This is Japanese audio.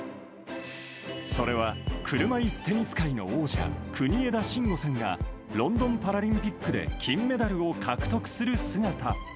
それは、車いすテニス界の王者、国枝慎吾さんがロンドンパラリンピックで金メダルを獲得する姿。